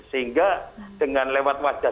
sehingga dengan lewat wajah